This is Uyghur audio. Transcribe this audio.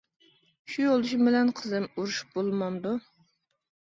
شۇ يولدىشىم بىلەن قىزىم ئۇرۇشۇپ بولمامدۇ.